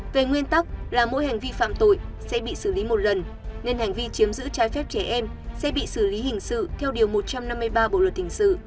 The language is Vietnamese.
về nguyên tắc là mỗi hành vi phạm tội sẽ bị xử lý một lần nên hành vi chiếm giữ trái phép trẻ em sẽ bị xử lý hình sự theo điều một trăm năm mươi ba bộ luật hình sự